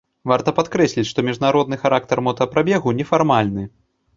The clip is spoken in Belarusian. Варта падкрэсліць, што міжнародны характар мотапрабегу не фармальны.